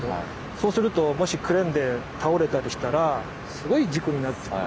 そうするともしクレーンで倒れたりしたらすごい事故になってしまう。